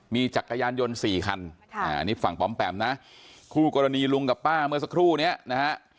มีจักรยานยนต์๔คันอันนี้ฝั่งปอมแปมนะคู่กรณีลุงกับป้าเมื่อสักครู่นี้นะฮะ